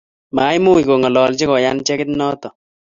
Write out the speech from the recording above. Maimuuch kongalachi koyan chekiit noto